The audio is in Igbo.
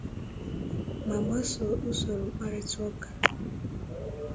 ma gbasoo usoro mkparịtaụka